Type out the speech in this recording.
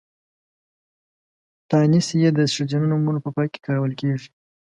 تانيث ۍ د ښځينه نومونو په پای کې کارول کېږي.